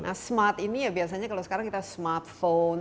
nah smart ini ya biasanya kalau sekarang kita smartphone